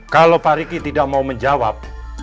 kalau pak riki tidak mau menjawab